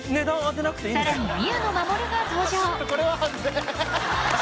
［さらに宮野真守が登場］